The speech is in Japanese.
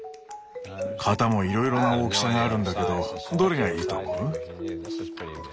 型もいろいろな大きさがあるんだけどどれがいいと思う？